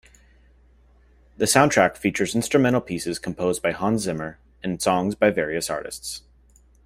The soundtrack features instrumental pieces composed by Hans Zimmer and songs by various artists.